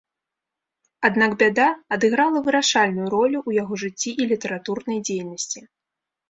Аднак бяда адыграла вырашальную ролю ў яго жыцці і літаратурнай дзейнасці.